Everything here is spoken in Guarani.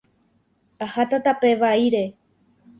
Aháta tape vaíre.